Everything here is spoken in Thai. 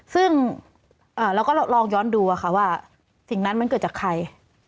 ซึ่งเราก็ลองย้อนดูว่าสิ่งนั้นมันเกิดจากใคร